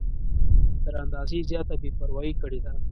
تر اندازې زیاته بې پروايي کړې ده.